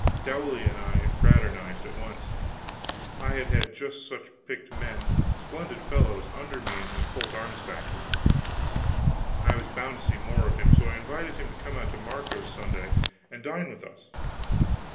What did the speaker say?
Dowley and I fraternized at once; I had had just such picked men, splendid fellows, under me in the Colt Arms Factory. I was bound to see more of him, so I invited him to come out to Marco's Sunday, and dine with us.